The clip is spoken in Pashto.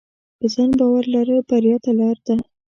په ځان باور لرل بریا ته لار ده.